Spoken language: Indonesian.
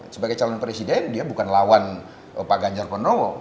sebagai calon presiden dia bukan lawan pak ganjar pranowo